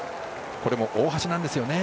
これも大橋なんですよね。